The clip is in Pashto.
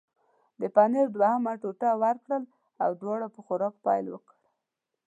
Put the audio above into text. د پنیر دوهمه ټوټه ورکړل او دواړو په خوراک پیل وکړ.